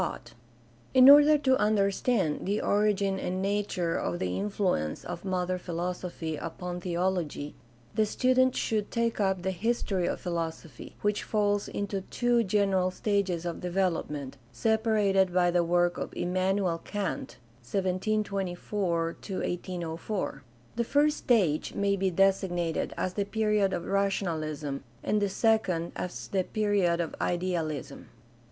THE DEVELOPMENT OF MODERN CHRISTIANITY 453 In order to understand the origin and nature of the influ ence of modern philosophy upon theology, the student should take up the history of philosophy, which falls into two general stages of development separated by the work of Immanuel Kant (17 24 1804). The first stage may be designated as the period of rationalism and the second as the period of idealism.